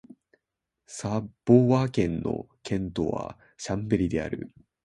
サヴォワ県の県都はシャンベリである